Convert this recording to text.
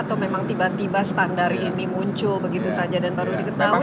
atau memang tiba tiba standar ini muncul begitu saja dan baru diketahui